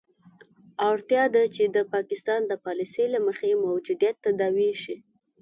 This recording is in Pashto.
اړتیا ده چې د پاکستان د پالیسي له مخې موجودیت تداوي شي.